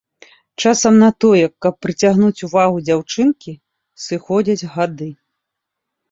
Часам на тое, каб прыцягнуць увагу дзяўчынкі, сыходзяць гады.